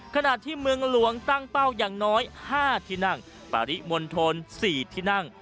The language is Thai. ขณะที่เมืองหลวงตั้งเป้าอย่างน้อย๕ที่นั่งปริมณฑล๔ที่นั่ง